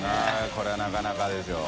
これはなかなかでしょ。